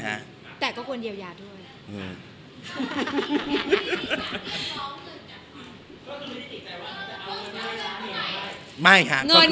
นะฮะแต่ก็ควรเยียวยาด้วย